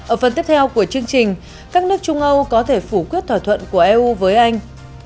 ở phần tiếp theo của chương trình các nước trung âu có thể phủ quyết thỏa thuận của eu với anh